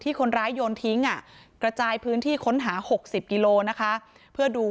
คนร้ายโยนทิ้งกระจายพื้นที่ค้นหา๖๐กิโลนะคะเพื่อดู